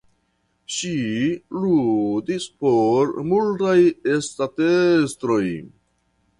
Ŝi ludis por multaj ŝtatestroj.